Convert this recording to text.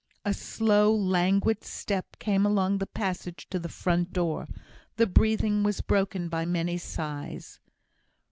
A slow, languid step came along the passage to the front door the breathing was broken by many sighs.